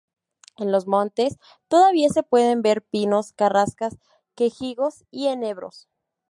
En los montes todavía se pueden ver pinos, carrascas, quejigos y enebros.